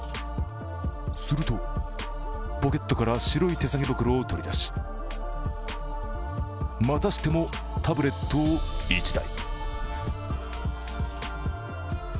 すると、ポケットから白い手提げ袋を取り出し、またしてもタブレットを１台。